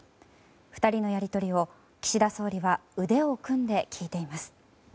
２人のやり取りを、岸田総理は腕を組んで聞いています。